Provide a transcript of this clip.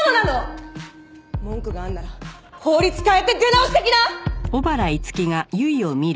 文句があんなら法律変えて出直してきな！